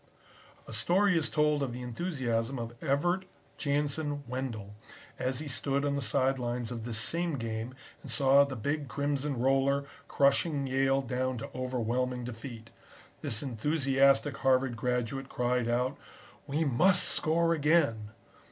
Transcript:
A story is told of the enthusiasm of Evert Jansen Wendell, as he stood on the side lines of this same game and saw the big Crimson roller crushing Yale down to overwhelming defeat. This enthusiastic Harvard graduate cried out: "'We must score again!'